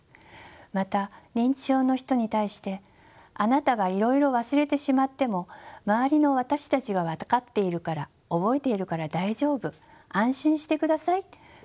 また認知症の人に対してあなたがいろいろ忘れてしまっても周りの私たちが分かっているから覚えているから大丈夫安心してくださいと話すことがあります。